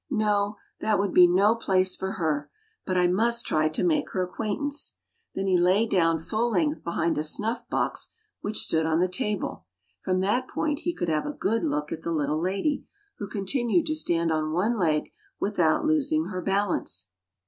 No, that would be no place for her! but I must try to make her acquaintance! " Then he lay down full length behind a snuff box, which stood on the table. From that point he could have a good look at the little lady, who continued to stand on one leg without losing her balance.